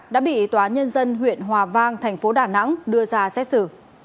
đã bị tòa nhân dân huyện hòa vang thành phố đà nẵng đưa ra xét xử